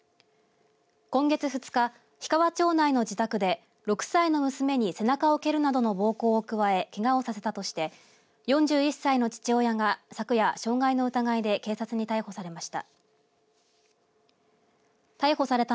今月２日氷川町内の自宅で６歳の娘の背中を蹴るなどの暴行を加えけがをさせたとして４１歳の父親が昨夜、傷害の疑いで警察に逮捕されました。